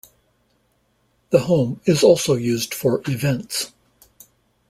The home is also used for events.